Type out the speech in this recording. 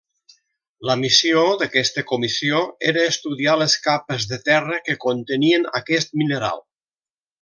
La missió d'aquesta comissió era estudiar les capes de terra que contenien aquest mineral.